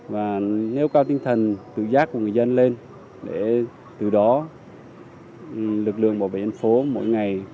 và nêu cao tinh thần tự giác của người dân lên để từ đó lực lượng bảo vệ dân phố mỗi ngày